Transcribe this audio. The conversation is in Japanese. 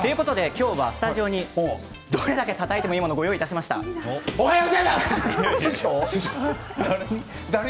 きょうは、どれだけたたいてもいいものをおはようございます。